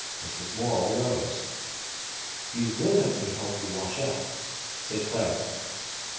Mrs. Morel rose. "You will let me help you wash up," said Clara.